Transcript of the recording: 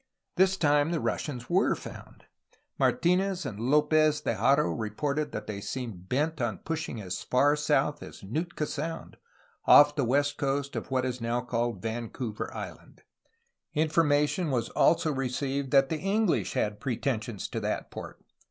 This time the Russians were found; Martinez and L6pez de Haro reported that they seemed bent on pushing as far south as Nootka Sound, off the west coast of what is now called Vancouver Island. Information was also received that the Enghsh had pretensions to that port.